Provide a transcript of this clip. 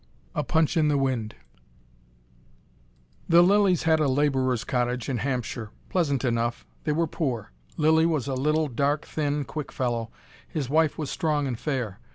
A PUNCH IN THE WIND The Lillys had a labourer's cottage in Hampshire pleasant enough. They were poor. Lilly was a little, dark, thin, quick fellow, his wife was strong and fair.